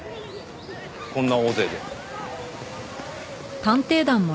こんな大勢で。